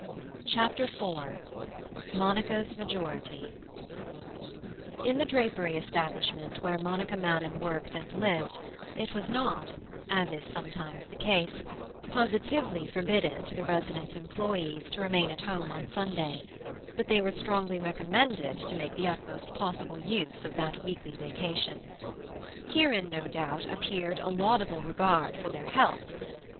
CHAPTER IV MONICA'S MAJORITY In the drapery establishment where Monica Madden worked and lived it was not (as is sometimes the case) positively forbidden to the resident employees to remain at home on Sunday; but they were strongly recommended to make the utmost possible use of that weekly vacation. Herein, no doubt, appeared a laudable regard for their health.